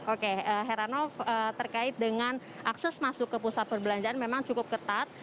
oke heranov terkait dengan akses masuk ke pusat perbelanjaan memang cukup ketat